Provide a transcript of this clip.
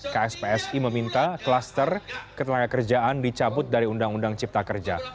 kspsi meminta klaster ketenaga kerjaan dicabut dari undang undang cipta kerja